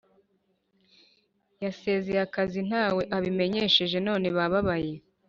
Yasezeye akazi ntawe abimenyesheje none bababaye